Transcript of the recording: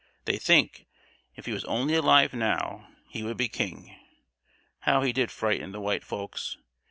They think, if he was only alive now, he would be king. How he did frighten the white folks!